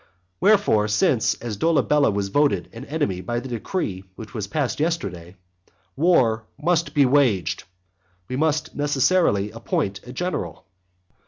Wherefore, since, as Dolabella was voted an enemy by the decree which was passed yesterday, war must be waged, we must necessarily appoint a general.